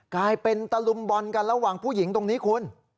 กลายเป็นตะลุมบอลกันระหว่างผู้หญิงตรงนี้คุณ